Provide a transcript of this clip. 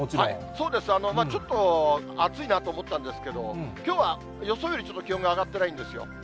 そうです、ちょっと、暑いなと思ったんですけど、きょうは予想よりちょっと気温が上がってないんですよ。